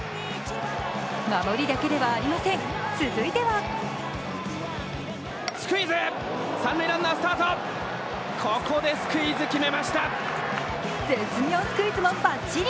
守りだけではありません、続いては絶妙スクイズもばっちり。